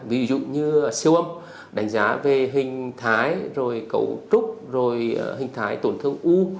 ví dụ như siêu âm đánh giá về hình thái rồi cấu trúc rồi hình thái tổn thương u